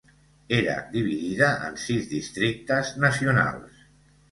Era dividida en sis districtes nacionals.